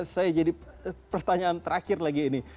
saya jadi pertanyaan terakhir lagi ini